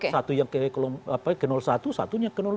satu yang ke satu satunya ke dua